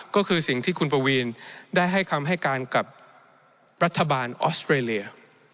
ก็คือสิ่งที่คุณปวีนได้ให้คำให้การกับรัฐบาลออสเตรเลีย